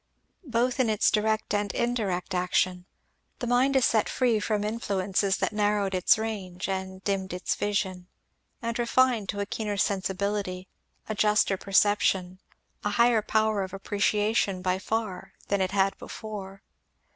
"Both in its direct and indirect action. The mind is set free from influences that narrowed its range and dimmed its vision; and refined to a keener sensibility, a juster perception, a higher power of appreciation, by far, than it had before.